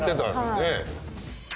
ねえ。